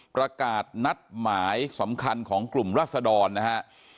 ประกาศนัดหมายสำคัญของกลุ่มราศดรนะฮะ